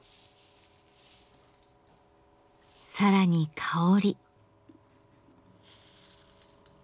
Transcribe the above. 更に香り。